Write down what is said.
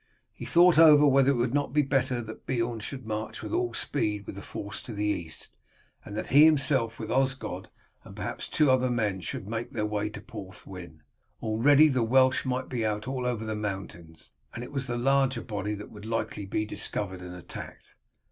He thought over whether it would not be better that Beorn should march with all speed with the force to the east, and that he himself with Osgod and perhaps two other men should make their way to Porthwyn; already the Welsh might be out all over the mountains, and it was the larger body that would be likely to be discovered and attacked.